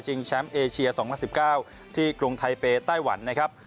แชมป์เอเชีย๒๐๑๙ที่กรุงไทเปไต้หวันนะครับ